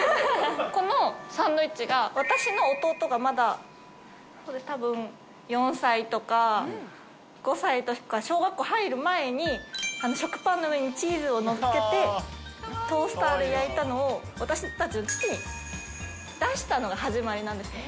このサンドイッチが、私の弟がまだたぶん４歳とか５歳とか、小学校入る前に、食パンの上にチーズをのっけて、トースターで焼いたのを、私たちの父に出したのが始まりなんですよ。